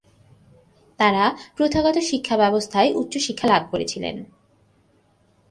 তারা প্রথাগত শিক্ষাব্যবস্থায় উচ্চশিক্ষা লাভ করেছিলেন।